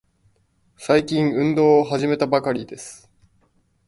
最近、運動を始めたばかりです。